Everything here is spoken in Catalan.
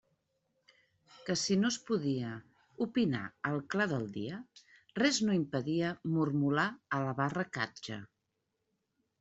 Que si no es podia opinar al clar del dia, res no impedia mormolar a la barra catxa.